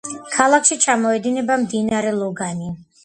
ქალაქში ჩამოედინება მდინარე ლოგანი.